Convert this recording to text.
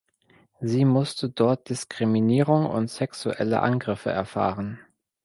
Sie musste dort Diskriminierung und sexuelle Angriffe erfahren.